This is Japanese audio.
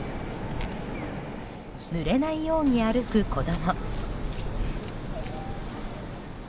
ぬれないように歩く子供。